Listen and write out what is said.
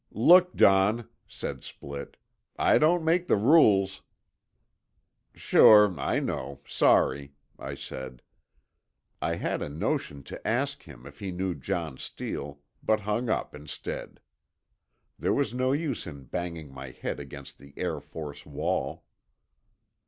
"Look, Don," said Splitt, "I don't make the rules." "Sure, I know—sorry," I said. I had a notion to ask him if he knew John Steele, but hung up instead. There was no use in banging my head against the Air Force wall.